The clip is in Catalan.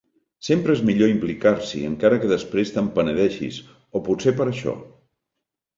Sempre és millor implicar-s'hi, encara que després te'n penedeixis, o potser per això!